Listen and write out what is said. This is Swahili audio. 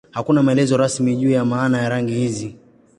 Hakuna maelezo rasmi juu ya maana ya rangi hizi.